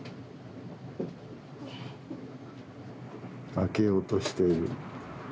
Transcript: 開けようとしている。